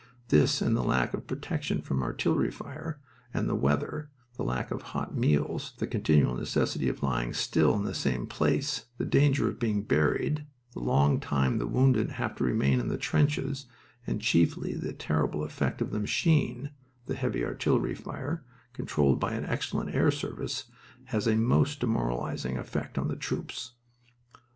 This and the lack of protection from artillery fire and the weather, the lack of hot meals, the continual necessity of lying still in the same place, the danger of being buried, the long time the wounded have to remain in the trenches, and chiefly the terrible effect of the machine and heavy artillery fire, controlled by an excellent air service, has a most demoralizing effect on the troops.